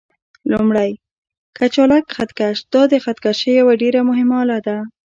لومړی: کچالک خط کش: دا د خط کشۍ یوه ډېره مهمه آله ده.